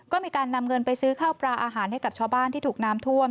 ก็มีการนำเงินไปซื้อข้าวปลาอาหารให้กับชาวบ้านที่ถูกน้ำท่วม